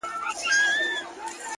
ه ته خپه د ستړي ژوند له شانه نه يې ـ